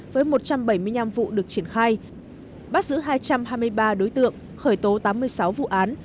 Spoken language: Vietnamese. với một trăm bảy mươi năm vụ được triển khai bắt giữ hai trăm hai mươi ba đối tượng khởi tố tám mươi sáu vụ án